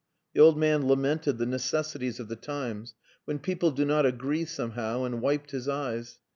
The old man lamented the necessities of the times "when people do not agree somehow" and wiped his eyes.